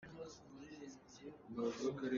Nambar pakhat .